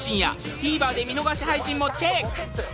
ＴＶｅｒ で見逃し配信もチェック！